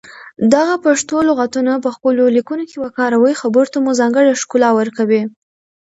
دغه پښتو لغتونه په خپلو ليکنو کې وکاروئ خبرو ته مو ځانګړې ښکلا ورکوي.